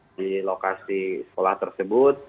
di lokasi sekolah tersebut